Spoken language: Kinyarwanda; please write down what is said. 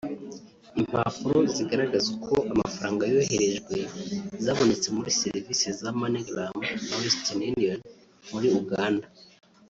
Impapuro zigaraza uko amafaranga yoherejwe zabonetse muri serivisi za MoneyGram na Western Union muri Uganda